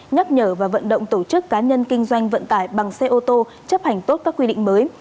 nhắc nhở và vận động tổ chức cá nhân kinh doanh vận tải bằng xe ô tô chấp hành tốt các quy định mới